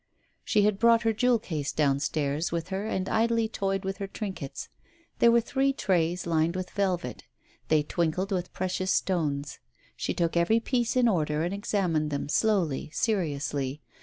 She had brought her jewel case downstairs with her and idly toyed with her trinkets. There were three trays, lined with velvet. They twinkled with precious stones. She took every piece in order and examined them slowly, seriously.